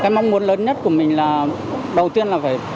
cái mong muốn lớn nhất của mình là đầu tiên là phải